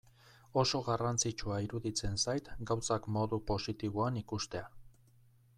Oso garrantzitsua iruditzen zait gauzak modu positiboan ikustea.